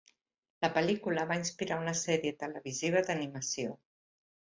La pel·lícula va inspirar una sèrie televisiva d'animació.